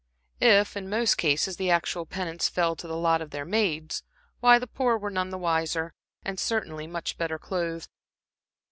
If in most cases the actual penance fell to the lot of their maids, why, the poor were none the wiser, and certainly much the better clothed.